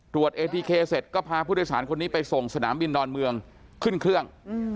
เอทีเคเสร็จก็พาผู้โดยสารคนนี้ไปส่งสนามบินดอนเมืองขึ้นเครื่อง